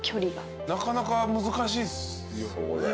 なかなか難しいっすよね。